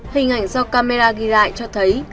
hình ảnh do camera ghi lại cho thấy